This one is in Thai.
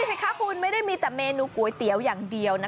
สิคะคุณไม่ได้มีแต่เมนูก๋วยเตี๋ยวอย่างเดียวนะคะ